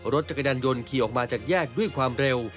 รถจักรยานยนต์ขี่ออกมาจากแยกด้วยความเร็ว